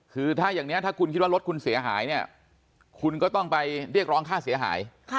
คือถ้าอย่างนี้ถ้าคุณคิดว่ารถคุณเสียหายเนี่ยคุณก็ต้องไปเรียกร้องค่าเสียหาย